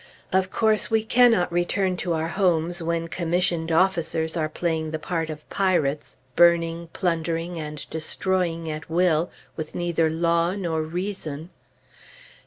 Of course, we cannot return to our homes when commissioned officers are playing the part of pirates, burning, plundering, and destroying at will, with neither law nor reason.